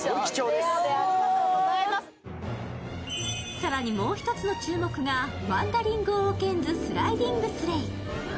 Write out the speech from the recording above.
更に、もう１つの注目が「ワンダリング・オーケンズ・スライディング・スレイ」。